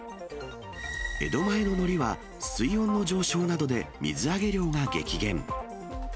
江戸前ののりは、水温の上昇などで水揚げ量が激減。